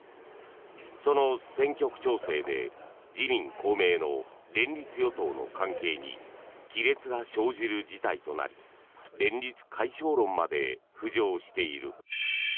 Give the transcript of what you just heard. その選挙区調整で自民・公明の連立与党の関係に亀裂が生じる事態となり連立解消論まで浮上している。